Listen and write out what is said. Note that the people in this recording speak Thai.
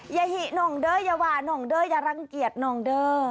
ยะหินองเด้อยะหวานองเด้อ